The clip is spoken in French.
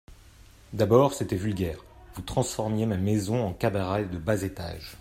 D’abord, c’était vulgaire : vous transformiez ma maison en cabaret de bas étage.